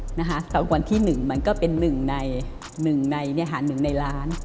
สำหรับวันที่๑มันก็เป็น๑ใน๑ใน๑ล้าน